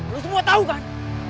lu semua tau kan